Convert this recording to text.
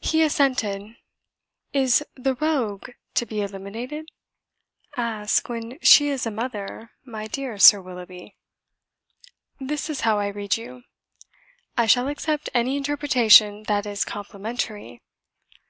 He assented. "Is the 'rogue' to be eliminated?" "Ask when she's a mother, my dear Sir Willoughby." "This is how I read you: " "I shall accept any interpretation that is complimentary."